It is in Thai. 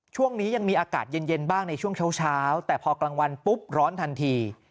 ช่วงนี้ยังมีอากาศเย็นบ้างในช่วงเช้าแต่พอกลางวันปุ๊บร้อนทันที